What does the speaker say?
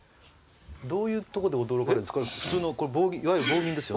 どういうとこで驚かれるんです？